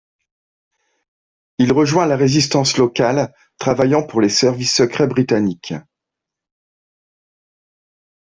Il rejoint la Résistance locale travaillant pour les services secrets britanniques.